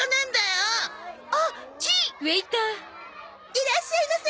いらっしゃいませ！